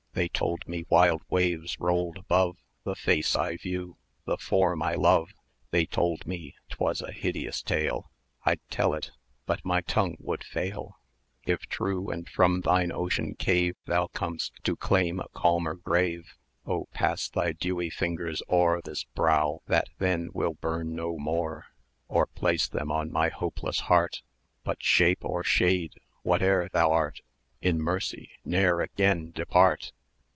They told me wild waves rolled above The face I view the form I love; They told me 'twas a hideous tale! I'd tell it, but my tongue would fail: If true, and from thine ocean cave 1310 Thou com'st to claim a calmer grave, Oh! pass thy dewy fingers o'er This brow that then will burn no more; Or place them on my hopeless heart: But, Shape or Shade! whate'er thou art, In mercy ne'er again depart!